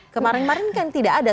kemarin kemarin kan tidak ada